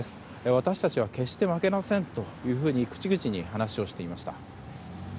私たちは決して負けませんと口々に話をしていました。